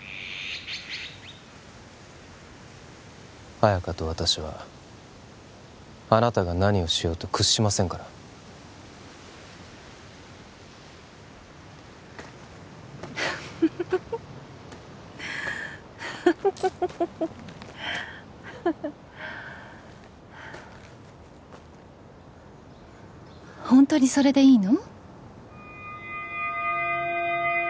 綾華と私はあなたが何をしようと屈しませんからフフフフッフフフフホントにそれでいいの？